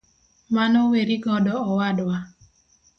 Mano weri godo owadwa.